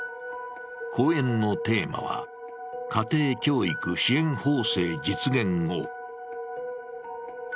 講演のテーマは「家庭教育支援法制実現を！」